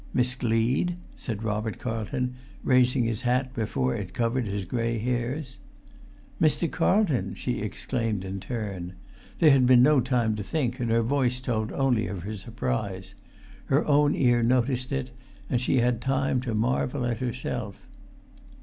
"Miss Gleed?" said Robert Carlton, raising his hat before it covered his grey hairs. "Mr. Carlton!" she exclaimed in turn. There had been no time to think, and her voice told only of her surprise; her own ear noticed it, and she had time to marvel at herself.